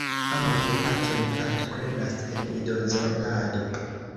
Ambaŭ gepatroj partoprenas en idozorgado.